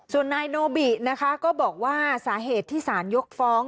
ส่วนนายโนบินะคะก็บอกว่าสาเหตุที่สารยกฟ้อง